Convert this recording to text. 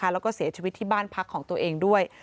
แล้วก็เสียชีวิตที่บ้านพักของตัวเองด้วย